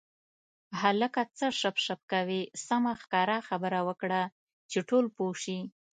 هلکه څه شپ شپ کوې سمه ښکاره خبره وکړه چې ټول پوه شي.